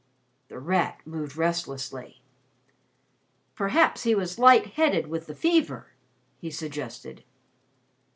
The Rat moved restlessly. "Perhaps he was light headed with the fever," he suggested.